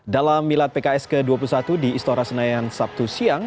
dalam milad pks ke dua puluh satu di istora senayan sabtu siang